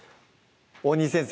大西先生